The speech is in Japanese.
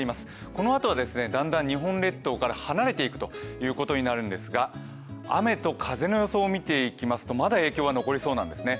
このあとはだんだん日本列島から離れていくということになるんですが雨と風の予想を見ていきますとまだ影響が残りそうなんですね